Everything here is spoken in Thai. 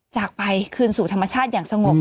จากไปคืนสู่ธรรมชาติอย่างสงบ